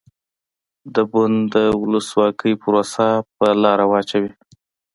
د بن د ولسواکۍ پروسه په لاره واچوي.